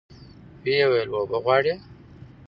ويې ويل اوبه غواړي.